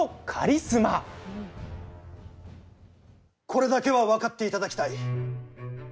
これだけは分かっていただきたい。